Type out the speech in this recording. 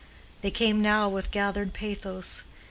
They came now with gathered pathos.